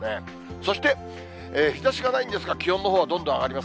そして日ざしがないんですが、気温のほうはどんどん上がります。